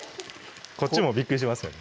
こっちもびっくりしますよね